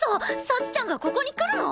幸ちゃんがここに来るの！？